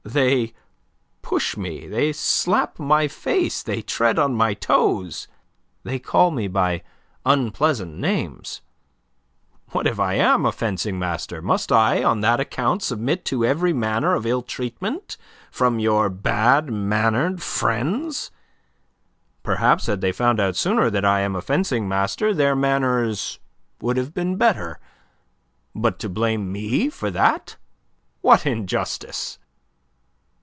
They push me, they slap my face, they tread on my toes, they call me by unpleasant names. What if I am a fencing master? Must I on that account submit to every manner of ill treatment from your bad mannered friends? Perhaps had they found out sooner that I am a fencing master their manners would have been better. But to blame me for that! What injustice!"